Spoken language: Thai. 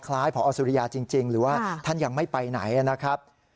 พอสุริยาจริงหรือว่าท่านยังไม่ไปไหนนะครับ